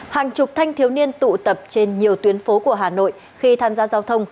hàng chục thanh thiếu niên tụ tập trên nhiều tuyến phố của hà nội khi tham gia giao thông